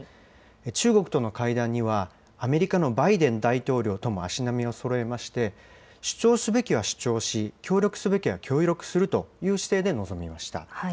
中国との会談には、アメリカのバイデン大統領とも足並みをそろえまして、主張すべきは主張し、協力すべきは協力するという姿勢で臨みました。